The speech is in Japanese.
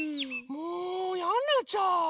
もうやんなっちゃう！